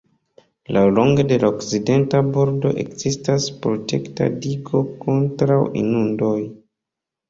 Laŭlonge de la okcidenta bordo ekzistas protekta digo kontraŭ inundoj.